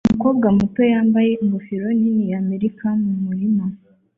Umukobwa muto yambaye ingofero nini ya Amerika mu murima